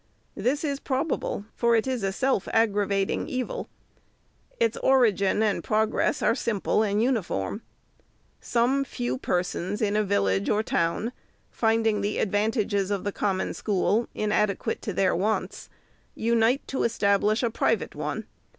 This is probable, for it is a self aggravating evil. Its origin and progress are simple and uniform. Some few persons in a village or town, finding the advantages of the Common School inadequate to their wants, unite to establish a private one.